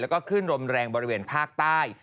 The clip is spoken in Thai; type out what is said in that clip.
แล้วก็ขึ้นลมแรงบริเวณภาคใต้